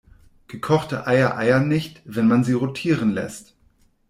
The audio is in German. Gekochte Eier eiern nicht, wenn man sie rotieren lässt.